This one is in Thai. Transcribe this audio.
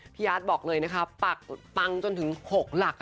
อาร์ตบอกเลยนะคะปักปังจนถึง๖หลัก